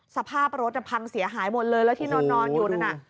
สภาพรถพังเสียหายหมดเลยแล้วที่นอนอยู่นั่นน่ะ